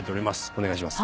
お願いします。